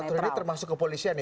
aparatur ini termasuk kepolisian ya